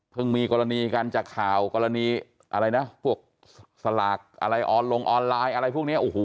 เพิ่งมีกรณีการจากข่าวกรณีอะไรนะพวกสลากอะไรออนไลน์อะไรพวกนี้